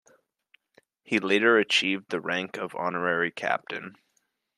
He later achieved the rank of honorary captain.